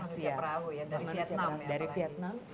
manusia perahu ya dari vietnam ya apalagi